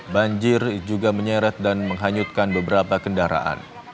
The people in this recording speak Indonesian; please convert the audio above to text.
banjir juga menyeret dan menghanyutkan beberapa kendaraan